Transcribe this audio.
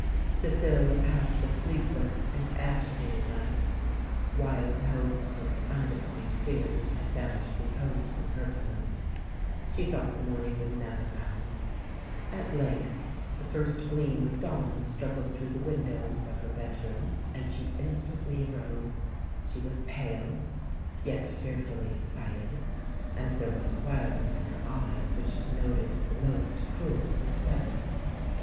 Cecilia passed a sleepless and agitated night. Wild hopes and undefined fears had banished repose from her pillow. She thought the morning would never come. At length the first gleam of dawn struggled through the windows of her bed room; and she instantly arose. She was pale—yet fearfully excited; and there was a wildness in her eyes which denoted the most cruel suspense.